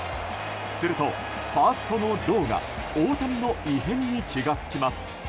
すると、ファーストのローが大谷の異変に気が付きます。